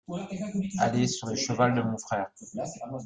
Aller sur le cheval de mon frère.